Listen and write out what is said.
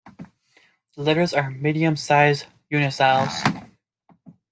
The letters are medium-sized uncials.